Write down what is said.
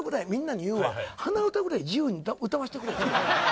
鼻歌ぐらい自由に歌わせてくれ。